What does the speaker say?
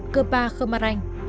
cơ ba khơ ma ranh